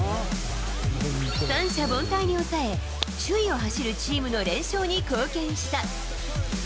三者凡退に抑え、首位を走るチームの連勝に貢献した。